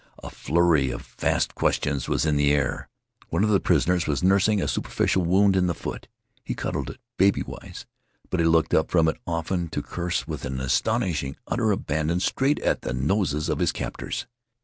A flurry of fast questions was in the air. One of the prisoners was nursing a superficial wound in the foot. He cuddled it, baby wise, but he looked up from it often to curse with an astonishing utter abandon straight at the noses of his captors.